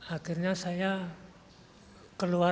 akhirnya saya keluar